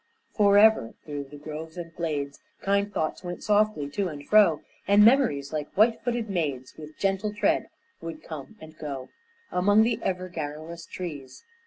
Forever through the groves and glades Kind thoughts went softly to and fro, And memories like white footed maids With gentle tread would come and go Among the ever garrulous trees.